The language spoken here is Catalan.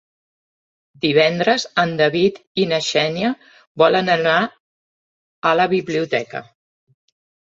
Divendres en David i na Xènia volen anar a la biblioteca.